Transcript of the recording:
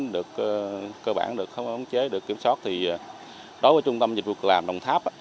được cơ bản được phóng chế được kiểm soát thì đối với trung tâm dịch việc làm đồng tháp